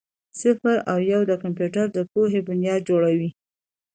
صفر او یو د کمپیوټر د پوهې بنیاد جوړوي.